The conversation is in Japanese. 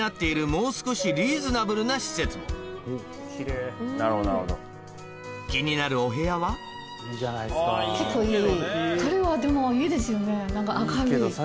もう少しリーズナブルな施設も気になるお部屋は結構いい。